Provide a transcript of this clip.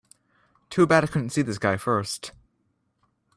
Too bad I couldn't see this guy first.